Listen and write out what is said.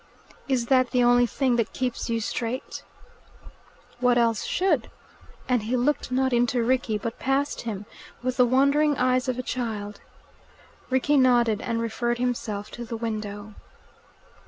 "Is that the only thing that keeps you straight?" "What else should?" And he looked not into Rickie, but past him, with the wondering eyes of a child. Rickie nodded, and referred himself to the window.